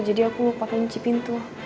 jadi aku lupa penciptu